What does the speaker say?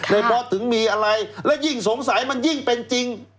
มอสถึงมีอะไรและยิ่งสงสัยมันยิ่งเป็นจริง